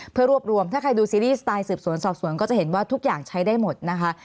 เพื่อรวบรวมถ้าใครดูซีรีส์สไตล์สืบสวนสอบสวนก็จะเห็นว่าทุกอย่างใช้ได้หมดนะคะ